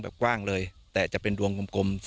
กว้างเลยแต่จะเป็นดวงกลม